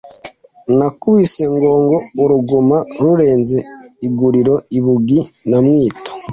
Nakubise Ngogo uruguma rurenze inguriro i Bugi na Mwito.